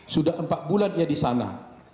sudah empat bulan ia di sana